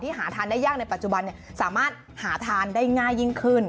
หาทานได้ยากในปัจจุบันสามารถหาทานได้ง่ายยิ่งขึ้น